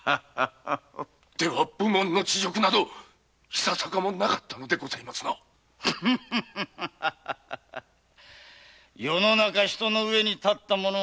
では武門の恥辱などいささかもなかったのでございますな世の中人の上に立った者が勝ちだ。